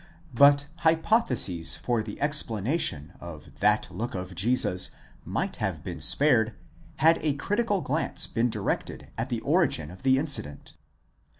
But hypotheses for the explanation of that look of Jesus might have been spared, had a critical glance been directed to the origin of the incident.